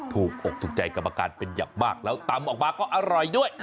ถูกอกถูกใจกรรมการเป็นอย่างมากแล้วตำออกมาก็อร่อยด้วย